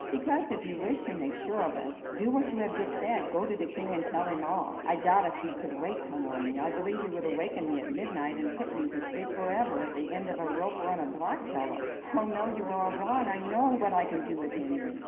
"Because, if you wish to make sure of it, do what you have just said go to the king and tell him all. I doubt if he could wait till morning. I believe he would awaken me at midnight to put me to sleep forever at the end of a rope or on a block pillow." "Oh! no! you are all wrong; I know what I can do with Henry."